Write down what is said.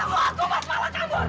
ketemu aku mas mala cangur